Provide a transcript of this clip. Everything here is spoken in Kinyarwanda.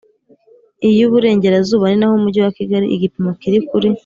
iy Iburengerazuba ni naho Umujyi wa Kigali igipimo kiri kuri